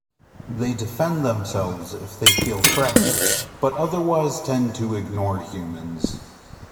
They defend themselves if they feel threatened, but otherwise tend to ignore humans.